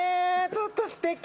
ちょっとすてき。